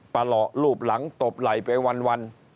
หล่อรูปหลังตบไหล่ไปวัน